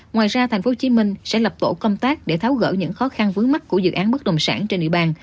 ngoài ra thành phố hồ chí minh sẽ lập tổ công tác để tháo gỡ những khó khăn vướng mắt của dự án bất đồng sản trên địa bàn